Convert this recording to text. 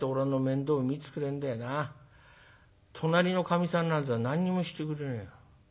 隣のかみさんなんざ何にもしてくれねえよ。